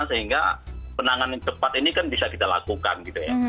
sehingga penanganan cepat ini kan bisa kita lakukan gitu ya